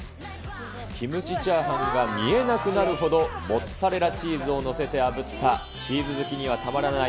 キムチチャーハンが見えなくなるほど、モッツァレラチーズを載せてあぶった、チーズ好きにはたまらない